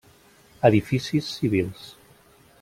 Edificis civils.